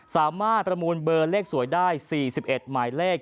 ประมูลเบอร์เลขสวยได้๔๑หมายเลข